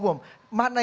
mana yang paling terbaik